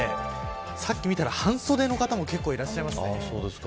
さっき見たら半袖の方も結構いらっしゃいましたね。